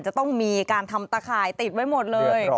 จะต้องมีการทำตะข่ายติดไว้หมดเลย